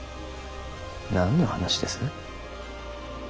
何の話です？